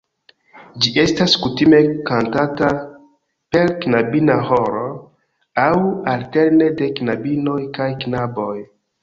Ĝi estas kutime kantata per knabina ĥoro aŭ alterne de knabinoj kaj knaboj.